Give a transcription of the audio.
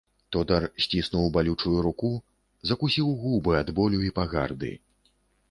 Тодар сціснуў балючую руку, закусіў губы ад болю і пагарды.